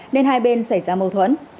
nên hai bên xảy ra mâu thuẫn